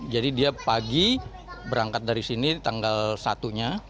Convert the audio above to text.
jadi dia pagi berangkat dari sini tanggal satunya